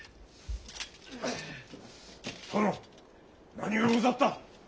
殿何がござった？